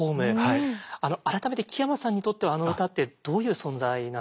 改めて木山さんにとってはあの歌ってどういう存在なんですか？